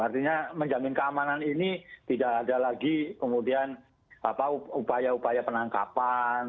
artinya menjamin keamanan ini tidak ada lagi kemudian upaya upaya penangkapan